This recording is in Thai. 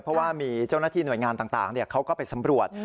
เพราะว่ามีเจ้าหน้าที่หน่วยงานต่างเขาก็ไปสำรวจ